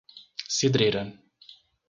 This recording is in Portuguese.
Cidreira